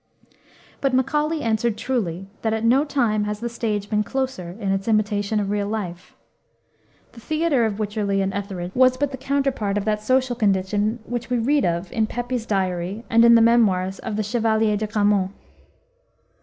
But Macaulay answered truly, that at no time has the stage been closer in its imitation of real life. The theater of Wycherley and Etherege was but the counterpart of that social condition which we read of in Pepys's Diary, and in the Memoirs of the Chevalier de Grammont.